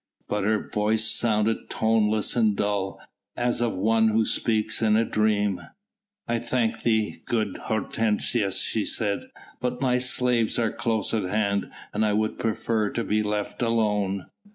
But her voice sounded toneless and dull, as of one who speaks in a dream. "I thank thee, good Hortensius," she said, "but my slaves are close at hand and I would prefer to be left alone."